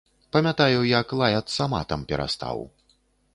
Памятаю, як лаяцца матам перастаў.